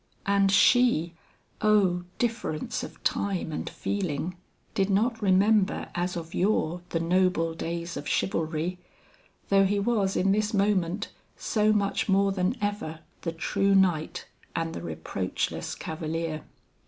And she oh, difference of time and feeling did not remember as of yore, the noble days of chivalry, though he was in this moment, so much more than ever the true knight and the reproachless cavalier.